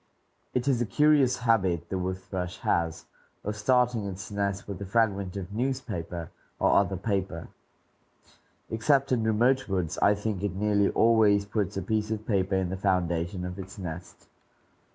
[Illustration: WOOD THRUSH] It is a curious habit the wood thrush has of starting its nest with a fragment of newspaper or other paper. Except in remote woods, I think it nearly always puts a piece of paper in the foundation of its nest.